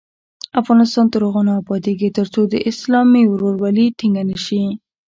افغانستان تر هغو نه ابادیږي، ترڅو اسلامي ورورولي ټینګه نشي.